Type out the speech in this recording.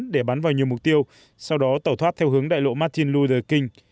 để bắn vào nhiều mục tiêu sau đó tẩu thoát theo hướng đại lộ martin luther king